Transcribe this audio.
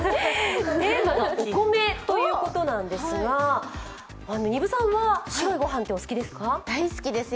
テーマはお米ということなんですが、丹生さんは白いご飯ってお好きですか？